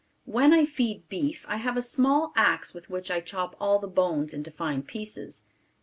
When I feed beef, I have a small axe with which I chop all the bones into fine pieces.